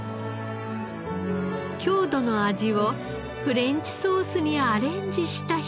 郷土の味をフレンチソースにアレンジしたひと皿。